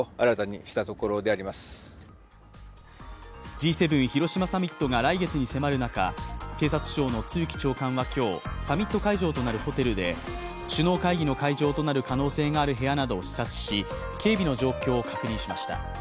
Ｇ７広島サミットが来月に迫る中、警察庁の露木長官は今日、サミット会場となるホテルで、首脳会議の会場となる可能性がある部屋などを視察し、警備の状況を確認しました。